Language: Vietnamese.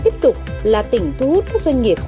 tiếp tục là tỉnh thu hút các doanh nghiệp